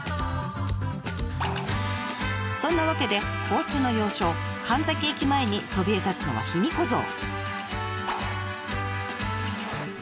そんなわけで交通の要衝神埼駅前にそびえ立つのは卑弥呼像。